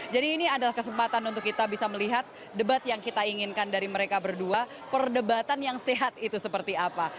jadi ini adalah kesempatan untuk kita bisa melihat debat yang kita inginkan dari mereka berdua perdebatan yang sehat itu seperti apa